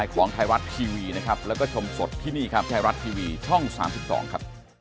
ขอบคุณครับ